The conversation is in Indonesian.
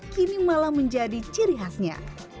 kini malah menjadi ciri khasnya